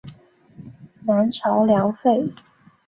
南朝梁废。